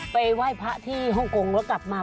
ไปไหว้พระที่ฮ่องกงแล้วกลับมา